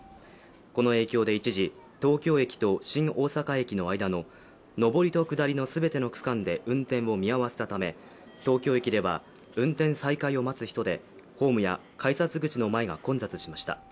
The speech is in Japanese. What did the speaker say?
この影響で一時、東京駅と新大阪駅の間の上りと下りの全ての区間で運転を見合わせたため、東京駅では運転再開を待つ人でホームや改札口の前が混雑しました。